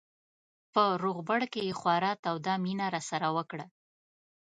په روغبړ کې یې خورا توده مینه راسره وکړه.